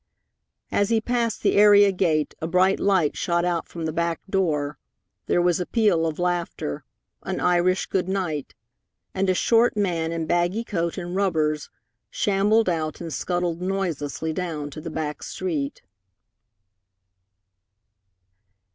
As he passed the area gate a bright light shot out from the back door, there was a peal of laughter, an Irish goodnight, and a short man in baggy coat and rubbers shambled out and scuttled noiselessly down to the back street.